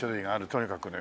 とにかくね